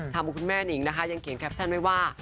คุณแม่นิงนะคะยังเขียนแคปชั่นไว้ว่า